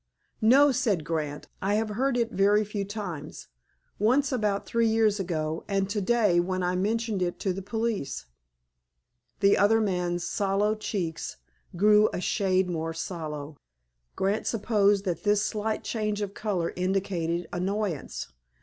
"No," said Grant. "I have heard it very few times. Once, about three years ago, and today, when I mentioned it to the police." The other man's sallow cheeks grew a shade more sallow. Grant supposed that this slight change of color indicated annoyance.